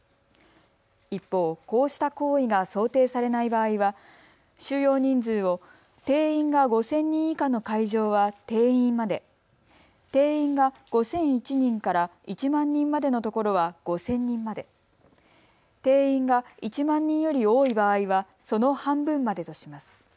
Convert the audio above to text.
一方、こうした行為が想定されない場合は収容人数を定員が５０００人以下の会場は定員まで、定員が５００１人から１万人までの所は５０００人まで、定員が１万人より多い場合はその半分までとします。